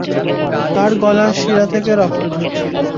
তার গলার শিরা থেকে রক্ত ঝরছিল।